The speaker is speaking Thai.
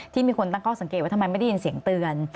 มีคนตั้งข้อสังเกตว่าทำไมไม่ได้ยินเสียงเตือน